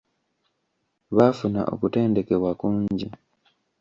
Baafuna okutendekebwa kungi.